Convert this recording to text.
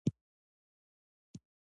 د وطن هرې زرې ته سلام!